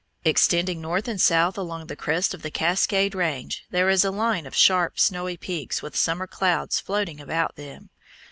Extending north and south along the crest of the Cascade Range there is a line of sharp snowy peaks with summer clouds floating about them.